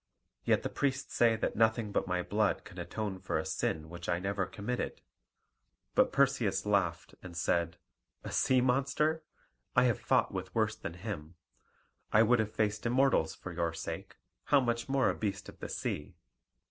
Yet the priests say that nothing but my blood can atone for a sin which I never committed." But Perseus laughed, and said, "A sea monster? I have fought with worse than him: I would have faced Immortals for your sake: how much more a beast of the sea?"